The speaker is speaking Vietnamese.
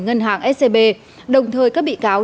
ngân hàng scb đồng thời các bị cáo